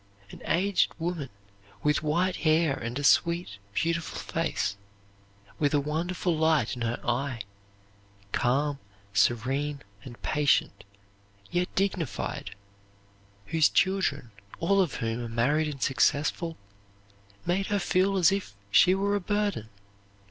An aged woman with white hair and a sweet, beautiful face; with a wonderful light in her eye; calm, serene, and patient, yet dignified, whose children, all of whom are married and successful, made her feel as if she were a burden!